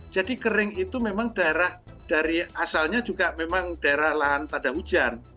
jadi kering itu memang daerah dari asalnya juga memang daerah lahan tak ada hujan